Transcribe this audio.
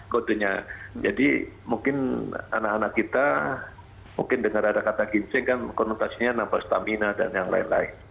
kodenya jadi mungkin anak anak kita mungkin dengar ada kata ginseng kan konotasinya nampak stamina dan yang lain lain